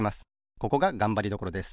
ここががんばりどころです。